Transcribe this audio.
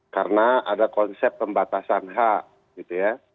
karena ada konsep pembatasan hak gitu ya